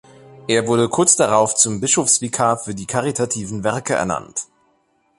Er wurde kurz darauf zum Bischofsvikar für die caritativen Werke ernannt.